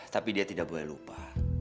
tapi dia tidak boleh lupa